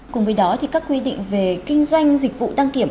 cùng với đó thì các quy định về kinh doanh dịch vụ đăng kiểm